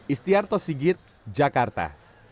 istiarto sigit jakarta